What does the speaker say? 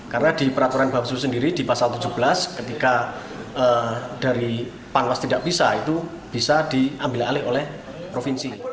karena di peraturan bawaslu sendiri di pasal tujuh belas ketika dari panwas tidak bisa itu bisa diambil alih oleh provinsi